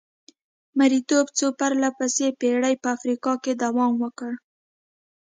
مریتوب څو پرله پسې پېړۍ په افریقا کې دوام وکړ.